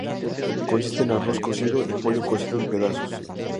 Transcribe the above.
Consiste en arroz cocido y pollo cocido en pedazos.